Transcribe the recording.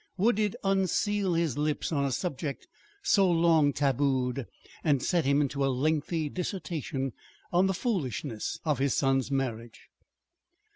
Would it unseal his lips on a subject so long tabooed, and set him into a lengthy dissertation on the foolishness of his son's marriage?